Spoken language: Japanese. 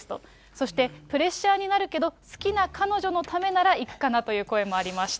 そしてプレッシャーになるけど、好きな彼女のためなら行くかなという声もありました。